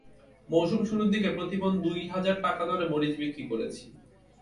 মৌসুম শুরুর দিকে প্রতিমণ দুই হাজার টাকা দরে মরিচ বিক্রি করেছি।